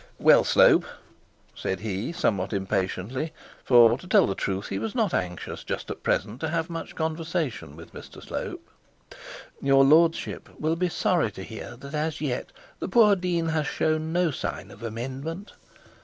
'Well, Slope,' said he, somewhat impatiently; for, to tell the truth, he was not anxious just at present to have much conversation with Mr Slope. 'Your lordship will be sorry to hear that as yet the poor dean has shown no signs of amendment.'